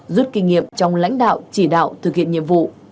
rút kinh nghiệm trong lãnh đạo chỉ đạo thực hiện nhiệm vụ